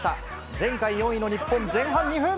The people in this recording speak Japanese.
前回４位の日本、前半２分。